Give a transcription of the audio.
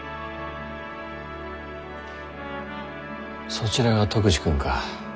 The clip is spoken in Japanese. そちらが篤二君か。